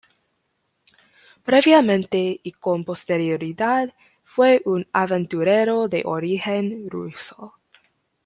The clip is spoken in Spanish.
Previamente, y con posterioridad, fue un aventurero de origen ruso.